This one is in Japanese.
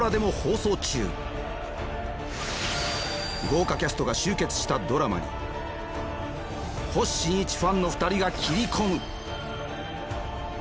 豪華キャストが集結したドラマに星新一ファンの２人が切り込む！